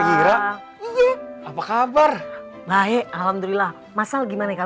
ikut saja aku loh maksimalnya